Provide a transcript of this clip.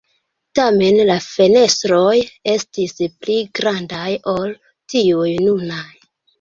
Tamen la fenestroj estis pli grandaj ol tiuj nunaj.